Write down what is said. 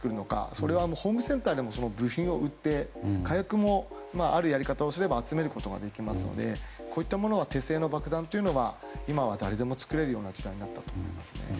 それは、ホームセンターでもその部品を売っていて火薬も、あるやり方をすれば集めることができますので手製の爆弾というのは今は、誰でも作れるような時代になったと思います。